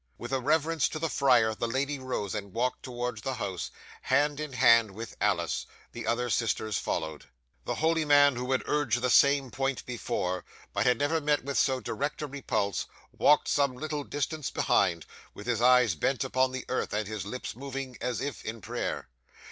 With a reverence to the friar, the lady rose and walked towards the house, hand in hand with Alice; the other sisters followed. 'The holy man, who had often urged the same point before, but had never met with so direct a repulse, walked some little distance behind, with his eyes bent upon the earth, and his lips moving AS IF in prayer.